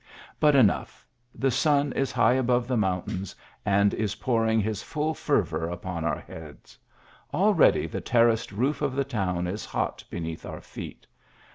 But enough, the sun is high above the mountains, THE TOWER OF CO MARES. 45 and is pouring his full fervour upon our heads. Al ready the terraced roof of the town is ho* beneath our feet